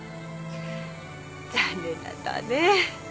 残念だったわね。